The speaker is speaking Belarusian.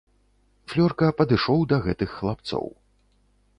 Флёрка падышоў да гэтых хлапцоў.